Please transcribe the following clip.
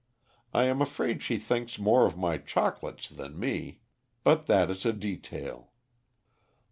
I am afraid she thinks more of my chocolates than me, but that is a detail."